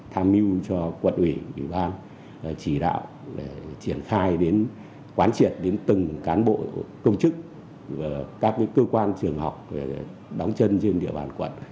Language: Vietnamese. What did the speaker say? tham mưu cho quận ủy ủy ban chỉ đạo để triển khai đến quán triệt đến từng cán bộ công chức các cơ quan trường học đóng chân trên địa bàn quận